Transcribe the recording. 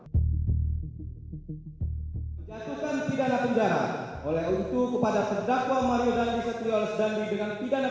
hai jatuhkan pidana penjara oleh untuk kepada pedagang mario dandri setiolos dandi dengan